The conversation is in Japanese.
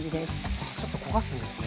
あちょっと焦がすんですね。